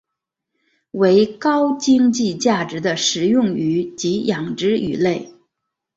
为高经济价值的食用鱼及养殖鱼类。